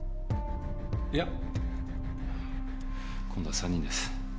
いや。今度は３人です。